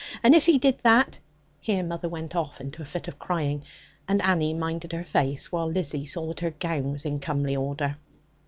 And if he did that' here mother went off into a fit of crying; and Annie minded her face, while Lizzie saw that her gown was in comely order.